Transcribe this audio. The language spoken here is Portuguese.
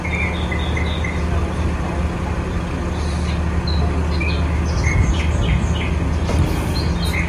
realce, auto-portantes, homogeneidade, simplicidade, mecanização